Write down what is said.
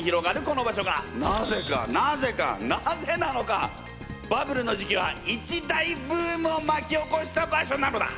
この場所がなぜかなぜかなぜなのかバブルの時期は一大ブームをまき起こした場所なのだ！